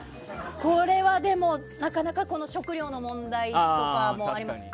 これはでもなかなか食糧の問題とかもありますし。